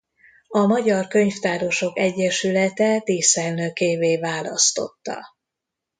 A Magyar Könyvtárosok Egyesülete díszelnökévé választotta.